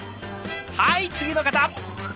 はい次の方！